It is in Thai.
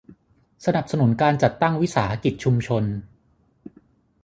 สนับสนุนการจัดตั้งวิสาหกิจชุมชน